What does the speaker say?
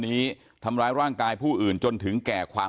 กูทำมึงแน่กูพูดจริง